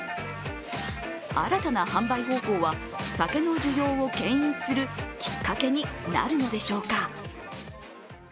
新たな販売方法は酒の需要をけん引するきっかけになるのでしょうか。